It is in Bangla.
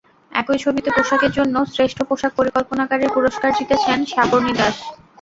একই ছবিতে পোশাকের জন্য শ্রেষ্ঠ পোশাক পরিকল্পনাকারীর পুরস্কার জিতেছেন সাবর্ণী দাস।